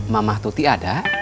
mama tuti ada